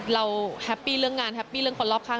แฮปปี้เรื่องงานแฮปปี้เรื่องคนรอบข้าง